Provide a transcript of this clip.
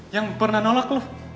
yang pernah nolak lo